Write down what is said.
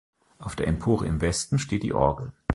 Auf der Empore im Westen steht die Orgel.